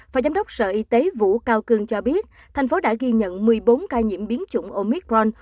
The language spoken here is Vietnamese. phó giám đốc sở y tế vũ cao cương cho biết thành phố đã ghi nhận một mươi bốn ca nhiễm biến chủng omicron